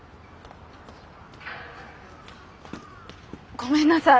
ごめんなさい。